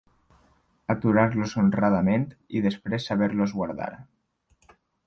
Aturar-los honradament, i després saber-los guardar